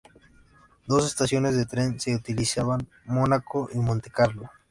Dos estaciones de tren se utilizaban: Mónaco y Monte Carlo.